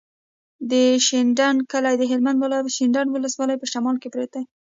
د شینډنډ کلی د هلمند ولایت، شینډنډ ولسوالي په شمال کې پروت دی.